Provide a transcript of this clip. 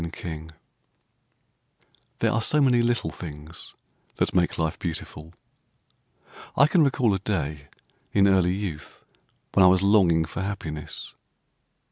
HAPPINESS THERE are so many little things that make life beautiful. I can recall a day in early youth when I was longing for happiness.